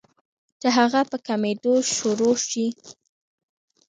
چې هغه پۀ کمېدو شورو شي